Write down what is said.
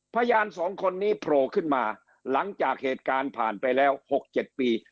พยานสองคนนี้โผล่ขึ้นมาหลังจากเหตุการณ์ผ่านไปแล้ว๖๗ปี